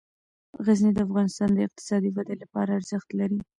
غزني د افغانستان د اقتصادي ودې لپاره ارزښت لري.